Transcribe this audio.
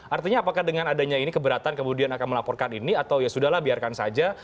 artinya apakah dengan adanya ini keberatan kemudian akan melaporkan ini atau ya sudah lah biarkan saja